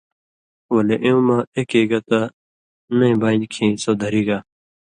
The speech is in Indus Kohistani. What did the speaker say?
ولے اېوں مہ ایکے گت نئی بانیۡ کھیں سو دھریگا۔